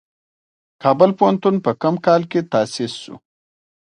کابل پوهنتون په کوم کال تاسیس شو؟